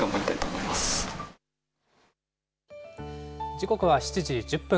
時刻は７時１０分。